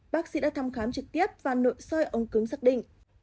bác sĩ đã thăm khám trực tiếp và nội xoay ống cứng xác định